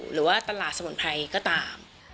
หรือว่าตลาดสมุนไพรก็ตาม